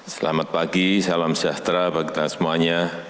selamat pagi salam sejahtera bagi kita semuanya